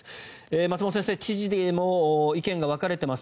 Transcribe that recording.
松本先生、知事でも意見が分かれています。